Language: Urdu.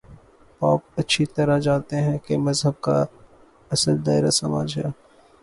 پوپ اچھی طرح جانتے ہیں کہ مذہب کا اصل دائرہ سماج ہے۔